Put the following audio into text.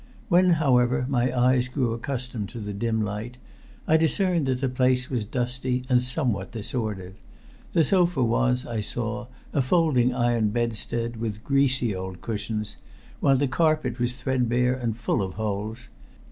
When, however, my eyes grew accustomed to the dim light, I discerned that the place was dusty and somewhat disordered. The sofa was, I saw, a folding iron bedstead with greasy old cushions, while the carpet was threadbare and full of holes.